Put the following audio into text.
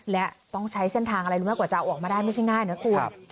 และต้องใช้เส้นทางอะไรรู้ไหมกว่าจะเอาออกมาได้ไม่ใช่ง่ายนะคุณ